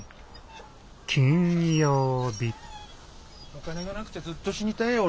お金がなくてずっと死にたいよ